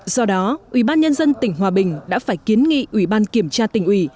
do đó ủy ban nhân dân tỉnh hòa bình đã phải kiến nghị ủy ban kiểm tra tỉnh ủy